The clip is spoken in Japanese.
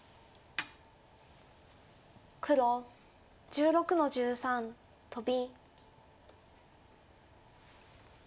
黒１６の十三トビ。